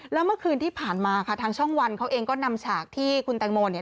แล้วเมื่อคืนที่ผ่านมาค่ะทางช่องวันเขาเองก็นำฉากที่คุณแตงโมเนี่ย